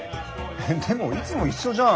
でもいつも一緒じゃん。